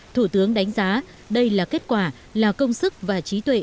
thủ tướng đánh giá đây là kết quả là công sức và trí tuệ